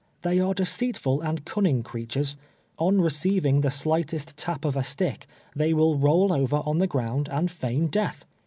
They are deceitful and cunning creatures. On receiving the slightest tap of a stick, they will roll over on the ground and feign death.